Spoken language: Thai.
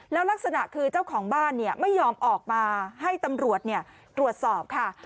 แล้วลักษณะคือเจ้าของบ้านไม่ยอมออกมาให้ตำรวจตรวจสอบค่ะ